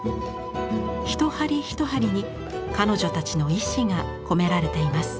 一針一針に彼女たちの意思が込められています。